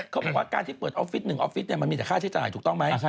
ก็บอกว่าการที่เปิดออฟฟิตหนึ่งนะมันมีแต่ค่าใช้จ่ายถูกไหม